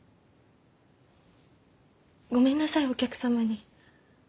ごめんなさいお客様に。